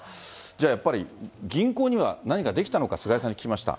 じゃあ、やっぱり銀行には、何かできたのか、菅井さんに聞きました。